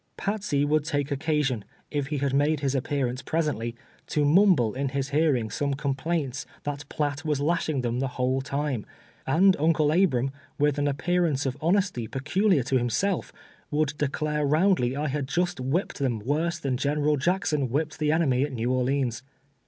Patsey would take occa sion, if he made his appearance presently, to mumble in his hearing some complaints that Piatt was lash ing them the whole time, and Uncle Abram, with an appearance of honesty peculiar to himself, would de clare roundly I had just whipped them worse than General Jackson whipped the enemy at jSTew Orleans.